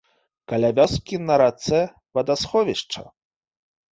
Каля вёскі на рацэ вадасховішча.